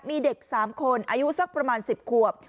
มีเด็ก๓คนอายุสักประมาณ๑๐ขวบ